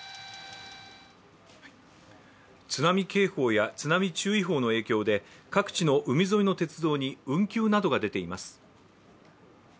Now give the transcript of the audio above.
津波警報や津波注意報の影響で各地の海沿いの鉄道に運休などが出ています。